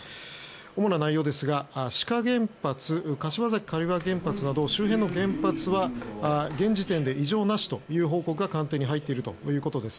主な内容ですが志賀原発、柏崎刈羽原発など周辺の原発は現時点で異常なしという報告が官邸に入っているということです。